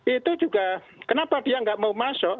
itu juga kenapa dia nggak mau masuk